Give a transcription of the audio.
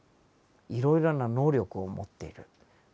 いろいろな能力を持っている。